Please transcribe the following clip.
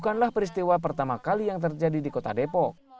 bukanlah peristiwa pertama kali yang terjadi di kota depok